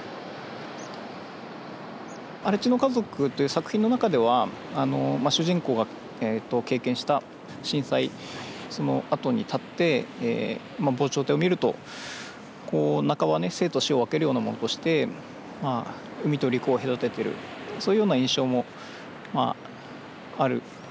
「荒地の家族」という作品の中では主人公が経験した震災その跡に立って防潮堤を見ると半ば生と死を分けるようなものとして海と陸を隔てているそういうような印象もある。